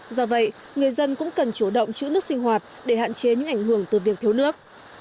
do vậy người dân cũng cần chủ động chữ nước sinh hoạt để hạn chế những ảnh hưởng từ việc thiếu nước